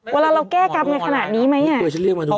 เวลาเราแก้กรรมอย่างขนาดนี้ไหมไงเรา